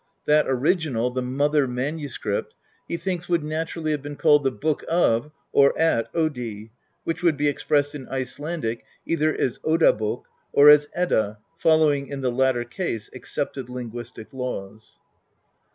That original, '^the mother MS.," he thinks would naturally have been called ^^the book of, or at Oddi," which would be expressed, in Icelandic, either as "Oddabok," or as "Edda," following, in the latter case, accepted linguistic laws.